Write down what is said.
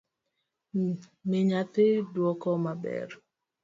Mi nyathi duoko maber